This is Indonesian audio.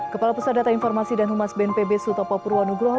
kepala pusat data informasi dan humas bnpb sutopo purwanugroho